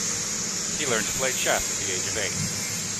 He learned to play chess at the age of eight.